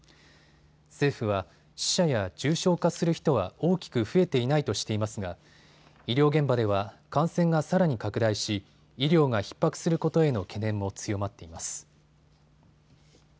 政府は死者や重症化する人は大きく増えていないとしていますが医療現場では感染がさらに拡大し医療がひっ迫することへの懸念も強まっています。